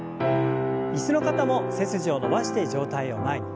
椅子の方も背筋を伸ばして上体を前に。